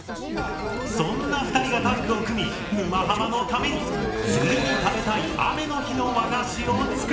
そんな２人がタッグを組み「沼ハマ」のために梅雨に食べたい雨の日の和菓子を作ってくれる！